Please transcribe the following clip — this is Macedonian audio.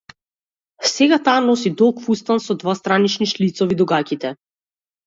Сега таа носи долг фустан со два странични шлицови до гаќите.